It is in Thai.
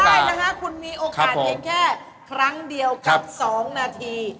ได้นะคะคุณมีโอกาสเพียงแค่ครั้งเดียวกับ๒นาที